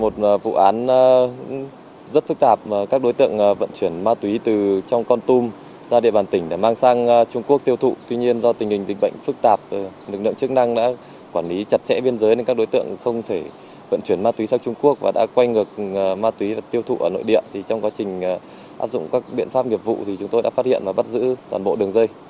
trong quá trình áp dụng các biện pháp nghiệp vụ chúng tôi đã phát hiện và bắt giữ toàn bộ đường dây